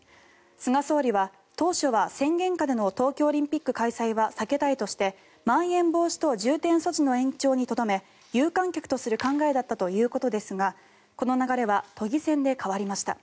菅総理は当初は、宣言下での東京オリンピック開催は避けたいとしてまん延防止等重点措置の延長にとどめ有観客とする考えだったということですがこの流れは都議選で変わりました。